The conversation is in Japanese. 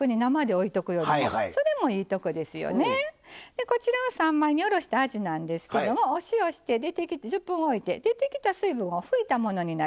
でこちらは三枚におろしたあじなんですけどもお塩して１０分おいて出てきた水分を拭いたものになります。